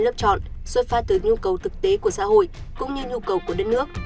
lựa chọn xuất phát từ nhu cầu thực tế của xã hội cũng như nhu cầu của đất nước